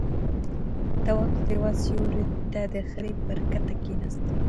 تواب د دېوال سيوري ته د خرې پر کته کېناست.